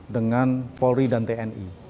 dengan polri dan tni